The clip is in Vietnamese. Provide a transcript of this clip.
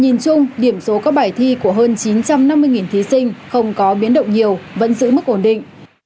nhìn chung điểm số các bài thi của hơn chín trăm năm mươi thí sinh không có biến động nhiều vẫn giữ mức ổn định